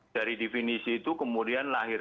dari definisi itu kemudian lahir